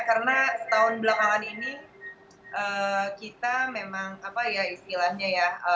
karena setahun belakangan ini kita memang apa ya istilahnya ya